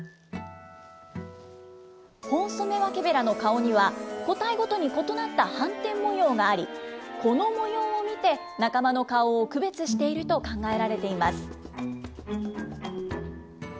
ホンソメワケベラの顔には、個体ごとに異なった斑点模様があり、この模様を見て仲間の顔を区別していると考えられています。